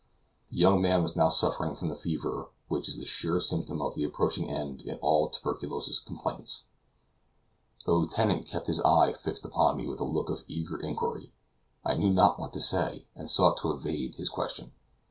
The young man was now suffering from the fever which is the sure symptom of the approaching end in all tuberculous complaints. The lieutenant kept his eye fixed upon me with a look of eager inquiry. I knew not what to say, and sought to evade his question.